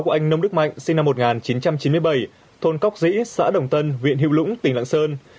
của anh nông đức mạnh sinh năm một nghìn chín trăm chín mươi bảy thôn cóc dĩ xã đồng tân huyện hữu lũng tỉnh lạng sơn